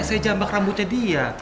saya jambak rambutnya dia